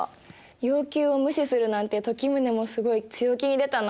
要求を無視するなんて時宗もすごい強気に出たな。